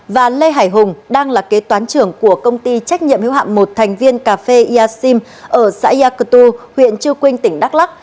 và lê hải hùng đang là kế toán trưởng của công ty trách nhiệm hiếu hạm một thành viên cà phê yassim ở xã yakutu huyện chư quynh tỉnh đắk lắc